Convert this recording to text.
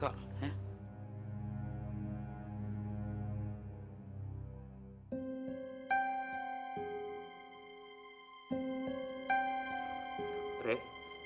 bang haji telat tuh